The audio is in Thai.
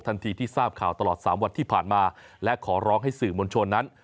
ที่ทราบข่าวตลอดสามวันที่ผ่านมาและขอร้องให้สื่อมวลชนนั้น